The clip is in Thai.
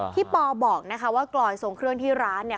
ปอบอกนะคะว่ากลอยทรงเครื่องที่ร้านเนี่ย